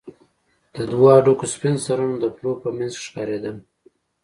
د دوو هډوکو سپين سرونه د پلو په منځ کښې ښکارېدل.